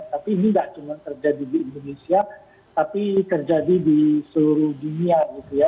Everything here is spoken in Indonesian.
tapi ini nggak cuma terjadi di indonesia tapi terjadi di seluruh dunia gitu ya